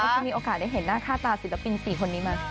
จะมีโอกาสได้เห็นหน้าค่าตาศิลปิน๔คนนี้ไหม